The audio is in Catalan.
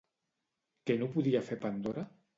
Què no podia fer Pandora?